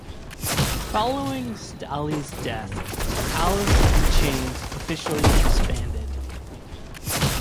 Following Staley's death, Alice in Chains officially disbanded.